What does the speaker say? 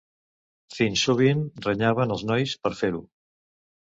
Fins sovint renyaven els nois per fer-ho.